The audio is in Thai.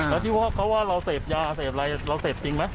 แล้วที่ว่าเขาว่าเราเสพยาเสพอะไรเราเสพจริงไหม